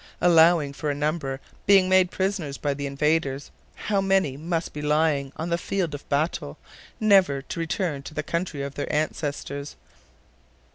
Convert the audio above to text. Allowing for a number being made prisoners by the invaders, how many must be lying on the field of battle, never to return to the country of their ancestors!